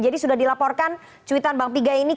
jadi sudah dilaporkan cuitan bang pigai ini